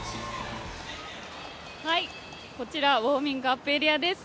こちらウォーミングアップエリアです。